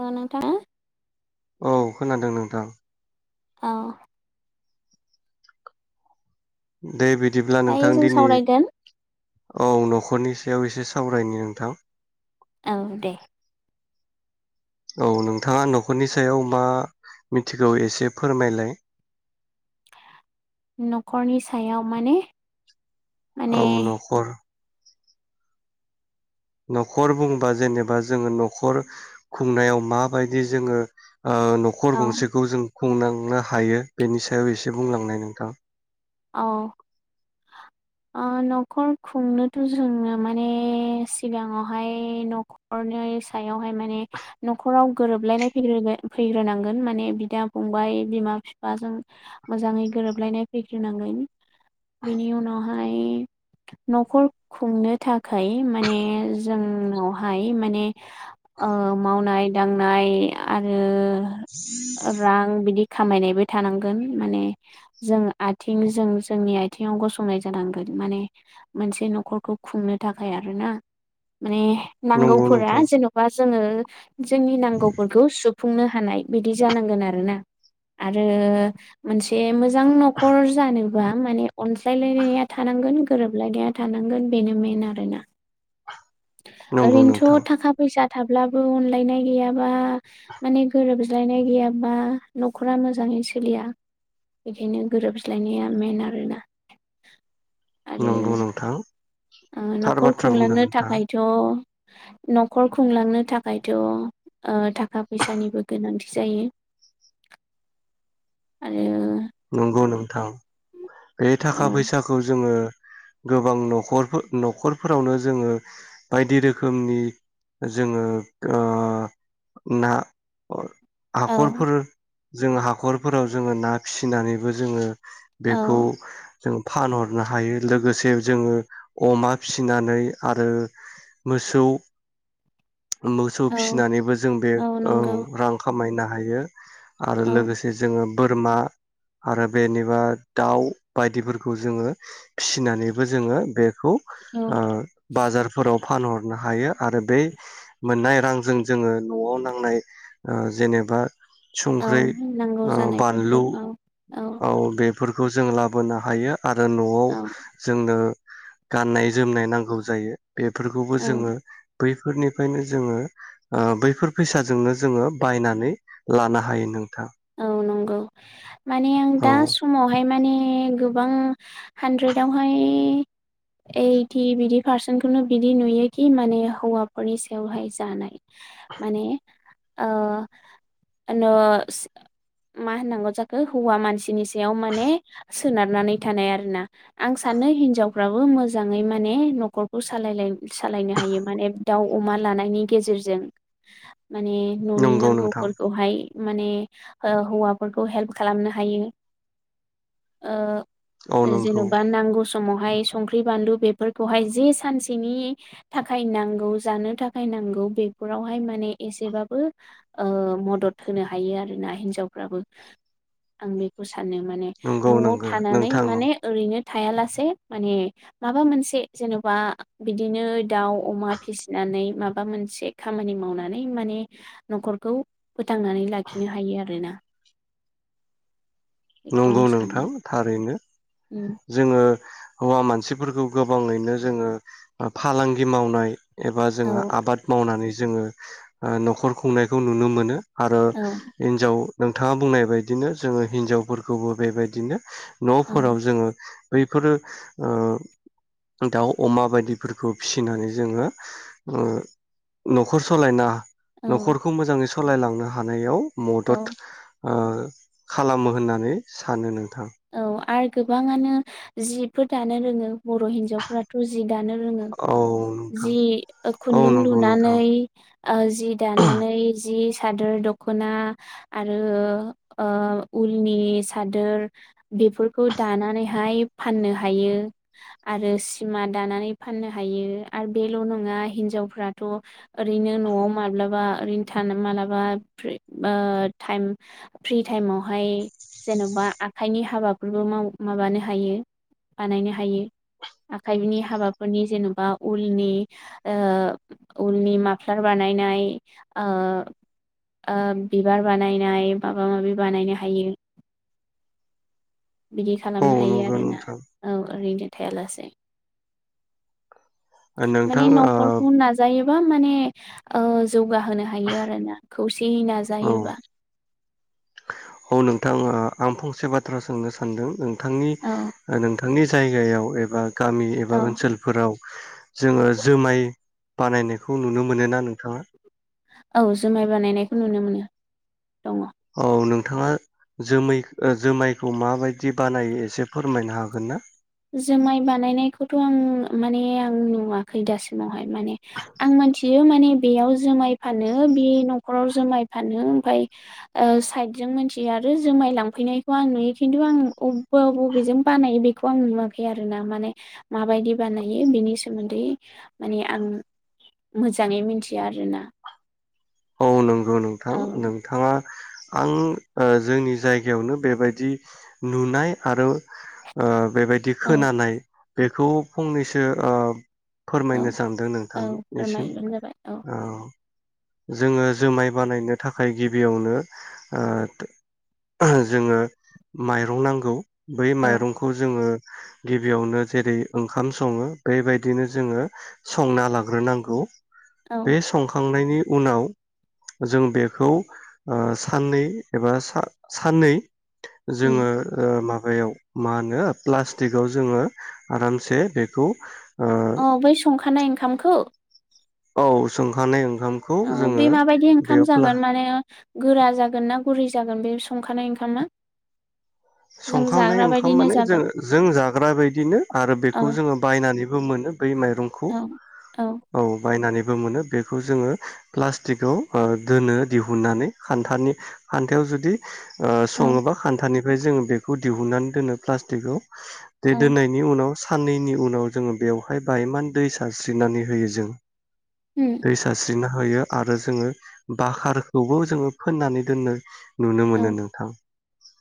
ओ नोंथांङा औ खोनादों नोंथां। औ। दे बिद दायो जों सावरायगोन औ न'खरनि सायाव एसे सावरायनि नोंथां औ दे औ नोंथाङा न'खरनि सायाव मा मिथिगौ एसे फोरमायलाय न'खरनि सायाव माने माने औ न'खर न'खर बुंबा जेनेबा जोङो न'खर खुंनायाव माबायदि जोङो ओ न'खर औ गंसेखौ जों खुंलांनो हायो बेनि सायाव एसे बुंलांनाय नोंथां औ ओ न'खर खुंनोथ' जोङो माने सिगाङावहाय न'खरनै सायावहाय माने न'खराव गोरोबलायनाय फैग्रो फैग्रोनांगोन माने बिदा फंबाय बिमा बिफाजों मोजाङै गोरोबलायनाय फैग्र हिनांगोन बेनि उनावहाय न'खर खुंनो थाखाय माने जोंनावहाय माने ओ मावनाय दांनाय आरो [inaudible] रां बिदि खामायनायबो थानांगोन माने जों आथिं जों जोंनि आइथिङाव गसंनाय जानांगोन माने मोनसे न'खरखौ खुंनो थाखाय आरो ना माने नंगौ नांगौफोरा नोंथां जेन'बा जोङो [inaudible] जोंनि नांगौफोरखौ सुफुंनो हानाय बिदि जानांगोन आरोना आरो मोनसे मोजां न खर जानोबा माने अनसायलायनाया थानांगोन गोरोबलायनाया थानांगोन बेनो मेन आरोना नंगौ नोंथां ओरैनोथ' थाखा फैसा थाब्लाबो अनलायनाय गैयाबा माने गोरोबज्लायनाय गैयाबा न'खरा मोजाङै सोलिया बेनो गोरोबज्लायनाया मेन आरोना आरो नंगौ नोंथां ओ थार न'खर बाथ्रा बुंदों खुंलांनो नोंथाङा थाखायथ' न'खर खुंलांनो थाखायथ' ओ थाखा फैसानिबो गोनांथि जायो आरो नंगौ नों थां बे औ थाखा फैसाखौ जोङो गोबां न'खरफोर न'खरफोरावनो जोङो बायदि रोखोमनि जोङो ओ ना अ औ हाखरफोर जोङो हाखरफोराव जोङो ना फिसिनानैबो जोङो बेखौ औ जों फानहरनो हायो लोगोसे जोंङो अमा फिसिनानै आरो मोसौ मोसौ औ फिसिनानैबो जों बे औ रां खामायना हायो आरो औ लोगोसे जोंङो बोरमा आरो बेनिबा दाउ बायदिफोरखौ जोंङो फिसिनानैबो जोंङो बे खौ औ ओ बाजारफोराव फानहरनो हायो आरो बे मोननाय रांजों जोंङो नआव नांनाय ओ जेनेबा औ सुंख्रि नांगौ ओ जानायफोरखौ बानलु औ औ बे बेफोरखौ जों लाबोनो हायो आरो नआव औ जोंनो गाननाय जोमनाय नांगौ जायो‌। बेफोरखौबो औ जोंङो बैफोरनिफ्रायनो जोंङो ओ बैफोर फैसाजोंनो जोंङो बायनानै लानो हायो नोंथां। औ नोंगौ माने आं औ दा समावहाय माने गोबां हानद्रेदावहाय ओइथि बिदि पारसेन्टखौनो बिदि नुयोखि माने हौवाफोरनि सायावहाय जानाय माने ओ न मा होननांगौ जाखो हौवा मानसिनि सायाव माने सोनारनानै थानाय आरोना आं सानो हिनजावफ्राबो मोजाङै माने नखरखौ सालायाय सालायनो हायो माने दाउ अमा लानायनि गेजेरजों माने न'नि नंगौ नोंथां नांगौफोरखौहाय माने ओ हौवाफोरखौ हेल्प खालामनो हायो ओ औ ओ नंगौ जेनबा नांगौ स समावहाय संख्रि बानलु बेफोरखौहाय जे सानसेनि थाखाय नांगौ जानो थाखाय नांगौ बेफोरावहाय माने एसेबाबो ओ मदद होनो हायो आरो। ना हिनजावफ्राबो आं बेखौ स सानो माने नंगौ नआव नंगौ थानानै नोंथां माने ओरैनो थायालासे माने माबा मोनसे जेनबा बिदिनो दाउ अमा फिसिनानै माबा मोनसे खामानि मावनानै माने नखरखौ फोथांनानै लाखि हायो आरोना बेखौ नंगौ आं नोंथां सानो थारैनो। उम जोङो हौवा मानसिफोरखौ गोबाङैनो जोङो फालांगि मावनाय एबा औ जोंङो आबाद मावनानै जोङो नखर खुंनायखौ नुनो मोनो। आरो औ हिनजाव नोंथाङा बुंनाय बायदिनो जोङो हिनजाव फोरखौबो बेबायदिनो न'फोराव ओं जोङो बैफोरो ओ दाउ अमा बायदिफोरखौ फिसिनानै जोङो ओ न'खर सालायना औ न'खरखौ मोजाङै सालायलांनो हानायाव मदद औ ओ खालामो होननानै नै सानो नों। नोंथां औ आरो गोबाङानो जिफोर दानो रोङो। बर‌' हिन्जावफ्राथ जि दानो रोङो औ नोंथां जि औ खुन्दुं नंगौ लुनानै नोंथां ओ जि दानानै जि सादोर दखना आरो ओ उलनि सादोर। बेफोरखौ दानानैहाय फाननो हायो आरो सिमा दानानै फाननो हायो आरो बेल नङा हिनजावफ्राथ' ओरैनो नआव माब्लाबा ओरैनो थानो माब्लाबा ओ टाइम फ्रि टाइमावहाय जेनबा आखाइनि हाबाफोरबो माबानो हायो बानायनो हायो आखाइनि हाबाफोरनि जेनबा उलनि ओ उलनि माफ्लार बानायनाय ओ बिबार बानायनाय माबा माबि बानायनो हायो। बिदि औ खालामनो हायो नंगौ आरोना नोंथां औ ओरैनो। थायालासे माने नोंथां ओ न'खरखौ नाजायो माने ओ जौगाहोनो हायो आरोना खौसेयै औ नाजायोबा। औ नोंथाङा आं फंसे बाथ्रा सोंनो सानदों? नोंथांनि औ नोंथां नि जायगायाव एबा गामि एबा औ ओनसोलफोराव जोङो जुमाय बानायनायखौ नुनो मोनोना नोंथाङा? औ जुमाय बानायनायखौ नुनो मोनो दङ। औ नोंथाङा जोमै जोमायखौ माबायदि बानायो एसे फोरमायनो हागोन ना? जुमाय बानायनाय खौथ' आं माने आं नुवाखै दासिमाव। माने आं मोनथियो माने बेयाव जोमाइ फानो बे न'खराव जोमाइ फानो ओमफ्राय ओ साइटजों मिथियो आरो जोमाइ लांफैनायखौ आं नुयो खिथु बबेजों बानायो बेखौ खौ आं नुवाखै आरोना माने माबायदि बानायो बिनि सोमोन्दै माने आं मोजाङै मिथिया आरोना औ नंगौ औ नोंथां नोंथाङा आं ओ जोंनि जायगायावनो बेबायदि नुनाय आरो ओ बेबायदि औ खोनानाय बेखौ फंनैसो अ फोरमायनो औ सानदों औ नोंथां निसिम फोरमायबानो जाबाय औ अ जोङो जोमाय बानायनो थाखाय गिबियावनो ओ जोङो माइरं नांगौ बै औ माइरंखौ जोङो गिबियावनो जेरै ओंखाम सङो बेबायदिनो जोङो संना लाग्रोनांगौ औ बे संखांनायनि उनाव जों बेखौ ओ साननै एबा सा-साननै उम जोङो ओ माबा याव माहोनो प्लसतिकाव जोङो आरामसे बेखो अ अ बै संखानाय ओंखामखौ औ सोंखानाय ओं औ बे माबायदि ओंखाम जागोन माने गोरा जागोन ना गुरै जागोन बे संखानाय ओंखामा जों संखांनाय जाग्रा ओंखाम बायदिनो माने जों जागोन जों जाग्रा बायदिनो आरो औ बेखौ जोङो बायनानै बो मोनो बै माइरंखौ औ औ बायनानै बोमोनो बेखौ जोङो प्लास्टिकआव दोनो दिहुननानै खान्थानि खान्थायाव जुदि अ औ सङोबा खान्थानि बेजों बेखौ दिहुननानै दोनो प्लास्टिकआव बे औ दोननायनि उनाव साननैनि उनाव जोङो बेवहाय बायमान दै सारस्रिनानै होयो जों उम दै सारस्रिना होयो आरो जोङो बाखारखौबो जोङो फोननानै दोननो नुनो औ मोनो नोंथां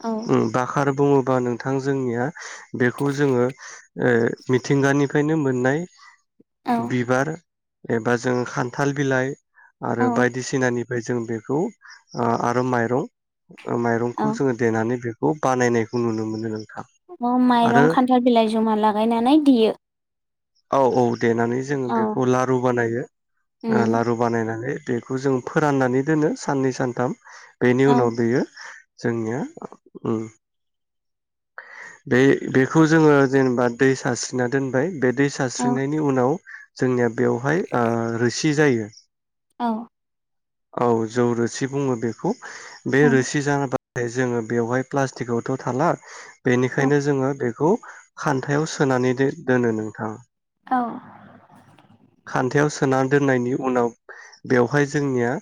औ ओम आरो बुङोबा नोंथां जोंनिया बेखौ जोङो ओ मिथिंगानिफ्रायनो मोननाय औ बिबार एबा जों खान्थाल बिलाइ आरो बायदिसिनानि ओमफ्राय जों बेखौ आ आरो माइरं ओ औ माइरंखौ जोङो देनानै बे खौ बानायनायखौ नुनो मोनो आं औ आरो माइरं खान्थाल बिलाइ जमा लागायनानै देयो [inaudible] औ औ देनानै जोङो औ बेखौ लारु बानायो उम लारु बानायनानै बेखौ जों फोराननानै दोनो साननै सानथाम बेनि औ उनाव बेयो जोंनिया उम बे बेखौ जोङो जेनेबा दै सारस्रिना दोनबाय बे दै औ सारस्रिनायनि उनाव जोंनिया बेवहाय ओ रोसि जायो। औ औ जौ रोसि बुङो बेखौ। बे रोसि जान दे जोङो बेवहाय प्लास्टिकआवथ' थाला औ बेनिखायनो जोङो बेखौ खान्थायाव सोनानै दो-दोनो नोंथां। औ खान्थायाव सोना दोननायनि उनाव बेवहाय जोंनिया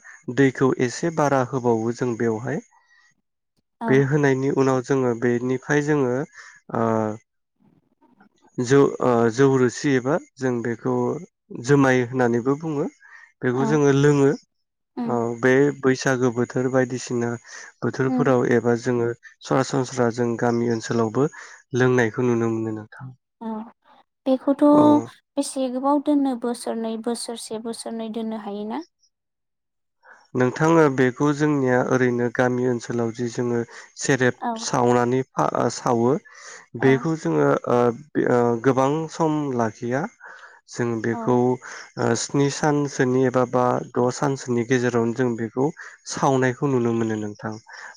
दैखौ एसे बारा होबावो जों बेवहाय। औ बे होनायनि उनाव जोङो बेनिफ्राय जोङो ओ जौ ओ जौ रोसि एबा जों बेखौ जोमाय होननानैबो बुङो। बेखौ औ जोङो लोङो अ उम बे बैसागो बोथोर बायदिसिना उम बोथोरफोराव एबा जोङो सरासनस्रा जों गामि ओनसोलावबो लोंनायखौ नुनो मोनो नोंथां। औ बेखौथ' औ बेसे गोबाव दोननो बोसोरनै बोसोरसे बोसोरनै दोननो हायो ना? नोंथा ओ बेखौ जोंनिया ओरैनो गामि ओनसोलाव जि जोङो सेरेब औ सावनानै आ सावो औ बेखौ जोङो ओ ओ गोबां सम लाखिया जों औ बेखौ ओ स्नि सानसोनि एबा बा द' सानसोनि गेजेरावनो जों बेखौ सावनायखौ नुनो मोनो नोंथां।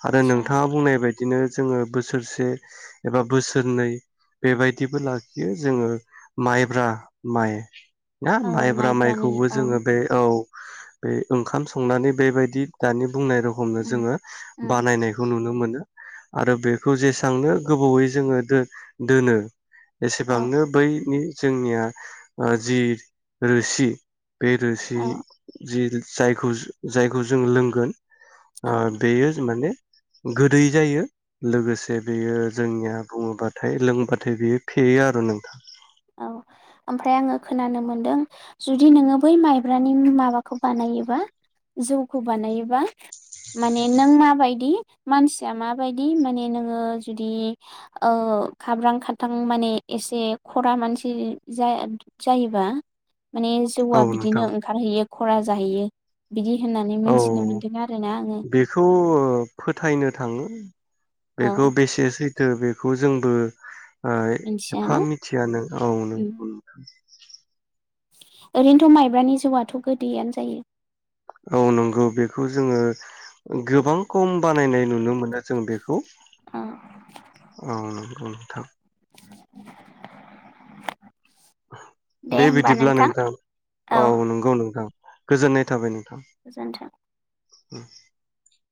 आरो आतसा नोंथाङा बुंनाय बाय बिदिनो जोङो बोसोरसे एबा बोसोरनै बेबायदिबो लाखियो जोङो माइब्रा माइ ना औ माइब्रा माइब्रानि माइखौबो औ जोङो बे औ बे ओंखाम संनानै बेबायदि दानि बुंनाय रखमनो उम जोंङो उम बानायनायखौ नुनो मोनो आरो बेखौ जेसांनो गोबावै जोंङो दो दोनो औ एसेबांनो बैनि जोंनिया जि रोसि बे रोसि औ जि जायखौ जायखौ जों लोंगोन ओ औ बेयो माने गोदै जायो लोगोसे बेयो जोंनिया बुङोबाथाय लोंबाथाय बेयो फेयो आरो नोंथां औ ओमफ्राय आङो खोनानो मोनदों जुदि नोङो बै माइब्रानि माबाखौ बानायोबा जौखौ बानायोबा माने नों माबायदि मानसिया माबायदि माने नोङो जुदि ओ खाब्रां खाथां माने एसे खरा मानसि जाया जायोबा माने औ जौआ नोंथां बिदिनो ओंखारहैयो खरा जाहैयो बिदि होननानै औ मोनथिनो मोनदों आरोना आङो बेखौ फोथायनो थांङो बेखौ औ बेसेस सैथो बेखौ जोंबो ओ एफा मिथियाना मिथिया नों औ नों उम ओरैनोथ' माइब्रानि जौआथ' गोदैयानो जायो। औ नंगौ बेखौ जोंङो गोबां खम बानायनाय नुनो मोनो जों बेखौ। औ नोंथां दे बिदिब्ला नोंथां औ नंगौ नोंथां गोजोननाय थाबाय नो गोजोन्थों [inaudible]